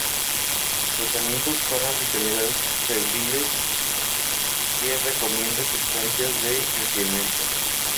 En sus tratamientos para enfermedades febriles, Ye recomienda sustancias de enfriamiento.